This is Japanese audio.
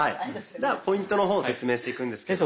ポイントの方を説明していくんですけども。